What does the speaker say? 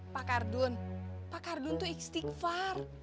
pak ardun pak ardun tuh istighfar